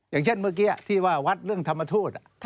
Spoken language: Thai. อย่างเช่นเมื่อกี้ที่ว่าวัดเรื่องธรรมทูต